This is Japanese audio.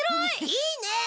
いいね！